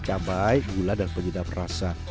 cabai gula dan penyedap rasa